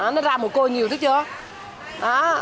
nó ra mùi côi nhiều chứ chưa